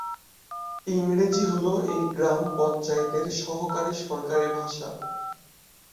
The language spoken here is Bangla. ইংরেজি হল এই গ্রাম পঞ্চায়েতের সহকারী সরকারি ভাষা।